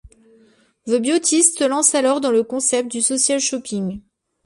The Beautyst se lance alors dans le concept du Social Shopping.